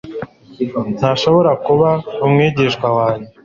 ntashobora kuba umwigishwa wanjye